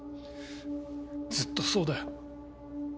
ずっとそうだよ。